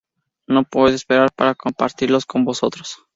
No puedo esperar para compartirlos con vosotros.